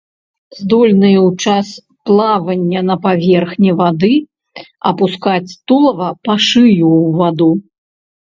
Здольныя ў час плавання на паверхні вады апускаць тулава па шыю ў ваду.